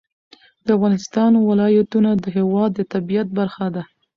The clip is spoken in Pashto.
د افغانستان ولایتونه د هېواد د طبیعت برخه ده.